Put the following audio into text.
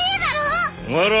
お前ら！